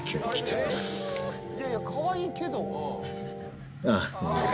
いやいやかわいいけど。